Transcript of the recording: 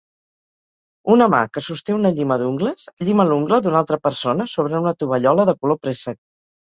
Una mà que sosté una llima d'ungles llima l'ungla d'una altra persona sobre una tovallola de color préssec.